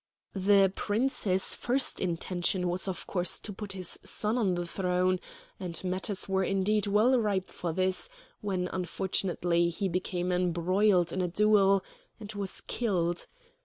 "The Prince's first intention was of course to put his son on the throne, and matters were indeed well ripe for this, when unfortunately he became embroiled in a duel and was killed.